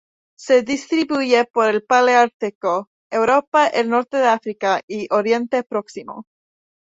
Se distribuye por el paleártico: Europa, el norte de África y Oriente Próximo.